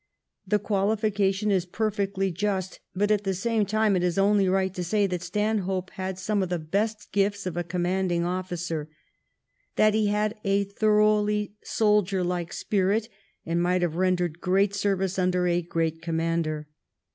The qualification is perfectly just, but at the same time it is only right to say that Stanhope had some of the best gifts of a commanding oflScer — that he had a thoroughly soldier hke spirit, and might have rendered great service under a great commander.